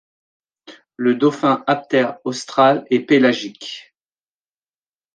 Le Dauphin aptère austral est pélagique.